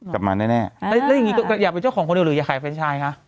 กลับมาแน่แล้วอย่างนี้ก็อยากเป็นเจ้าของคนเดียวหรืออยากขายแฟนชายคะ